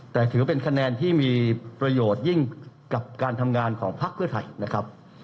แต่ถือเป็นคะแนนที่มีประโยชน์ยิ่งกับการทำงานของภักดิ์เพื่อไทยนะครับ